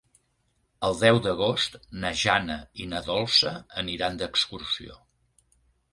El deu d'agost na Jana i na Dolça aniran d'excursió.